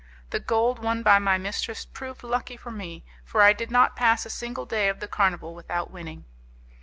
The gold won by my mistress proved lucky for me, for I did not pass a single day of the carnival without winning.